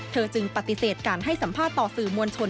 จึงปฏิเสธการให้สัมภาษณ์ต่อสื่อมวลชน